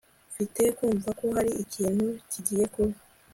mfite kumva ko hari ikintu kigiye kuba